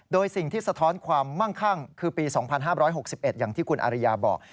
โดยสิ่งที่สะท้อนความมั่งคั่งคือปี๒๕๖๑อย่างที่คุณอาริยาบอก